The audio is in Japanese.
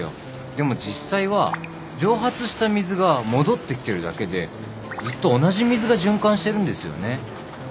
でも実際は蒸発した水が戻ってきてるだけでずっと同じ水が循環してるんですよね。